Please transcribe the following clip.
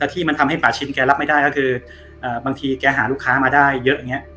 ที่มันทำให้ป่าชินแกรับไม่ได้ก็คือบางทีแกหาลูกค้ามาได้เยอะอย่างนี้